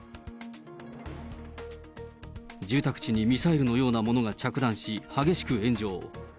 住宅地にミサイルのようなものが着弾し、激しく炎上。